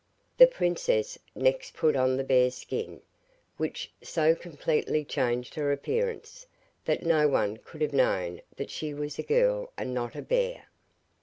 The princess next put on the bear's skin, which so completely changed her appearance, that no one could have known that she was a girl and not a bear.